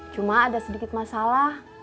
cuma ada sedikit masalah